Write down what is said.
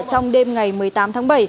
trong đêm ngày một mươi tám tháng bảy